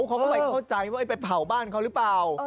เขาก็ไปเข้าใจว่าไปเผาบ้านเขาหรือเปล่า